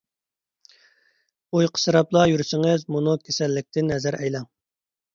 ئۇيقۇسىراپلا يۈرسىڭىز مۇنۇ كېسەللىكتىن ھەزەر ئەيلەڭ.